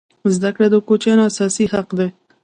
زده کړه د کوچنیانو اساسي حق دی.